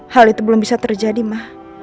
hal itu belum bisa terjadi mah